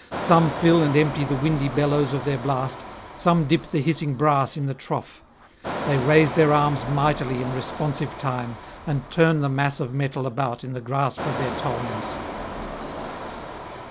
Some fill and empty the windy bellows of their blast, some dip the hissing brass in the trough. They raise their arms mightily in responsive time, and turn the mass of metal about in the grasp of their tongs.